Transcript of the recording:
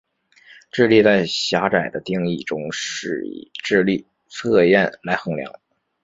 智力在狭窄的定义中是以智力测验来衡量。